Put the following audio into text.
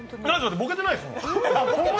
ボケてないですもん。